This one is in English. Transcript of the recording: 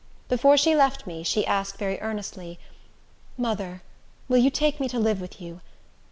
Before she left me, she asked very earnestly, "Mother, will you take me to live with you?"